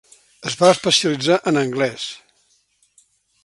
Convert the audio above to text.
Es va especialitzar en anglès.